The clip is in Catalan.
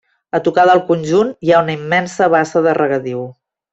A tocar del conjunt hi ha una immensa bassa de regadiu.